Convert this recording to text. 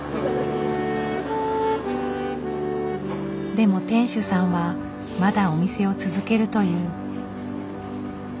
でも店主さんはまだお店を続けるという。